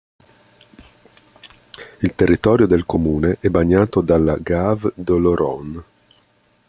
Il territorio del comune è bagnato dalla gave d'Oloron.